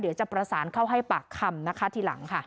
เดี๋ยวจะประสานเข้าให้ปากคำนะคะทีหลังค่ะ